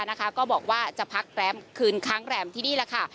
ว่ากว่าจะพักแบบคืนค้างแรมที่นี่แล้วค่ะ